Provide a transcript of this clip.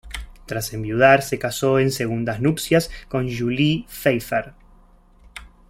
Tras enviudar, se casó en segundas nupcias con Julie Pfeiffer.